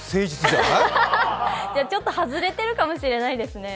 じゃ、ちょっと外れてるかもしれないですね。